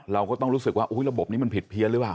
เราก็ต้องรู้สึกว่าระบบนี้มันผิดเพี้ยนหรือเปล่า